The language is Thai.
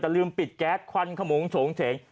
ลืมปิดแก๊สควันขมงโฉงเฉง